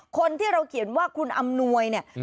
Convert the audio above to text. คนที่เราเขียนว่าคุณอำนวยเนี่ย